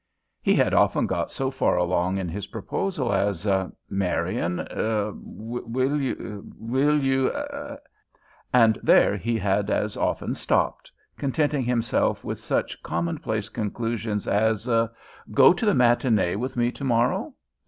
He had often got so far along in his proposal as "Marian er will you will you ," and there he had as often stopped, contenting himself with such commonplace conclusions as "go to the matinee with me to morrow?"